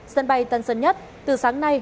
sân bay tân sân nhất từ sáng nay